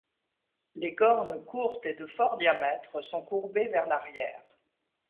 Les cornes courtes et de fort diamètre, sont courbées vers l'arrière.